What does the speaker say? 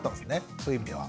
そういう意味では。